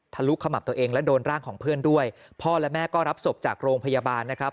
ลุขมับตัวเองและโดนร่างของเพื่อนด้วยพ่อและแม่ก็รับศพจากโรงพยาบาลนะครับ